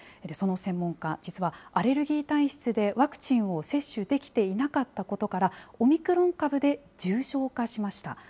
その専門家、実はアレルギー体質でワクチンを接種できていなかったことから、オミクロン株で重症化しました。